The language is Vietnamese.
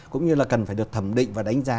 cũng như là cần phải được thẩm định và đánh giá